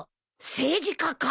政治家か。